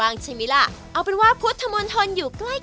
วันนี้ขอบคุณมากเลยครับขอบคุณครับ